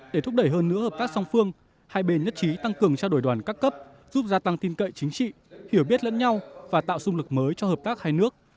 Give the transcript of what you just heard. để thúc đẩy hơn nữa hợp tác song phương hai bên nhất trí tăng cường trao đổi đoàn các cấp giúp gia tăng tin cậy chính trị hiểu biết lẫn nhau và tạo sung lực mới cho hợp tác hai nước